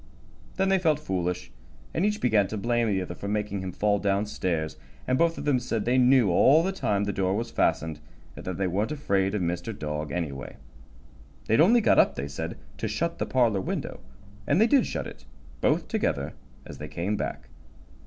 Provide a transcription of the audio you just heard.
Then they felt foolish, and each began to blame the other for making him fall down stairs, and both of them said they knew all the time the door was fastened, and that they weren't afraid of Mr. Dog, anyway. They'd only got up, they said, to shut the parlor window, and they did shut it, both together, as they came back.